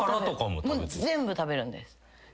全部食べるんです。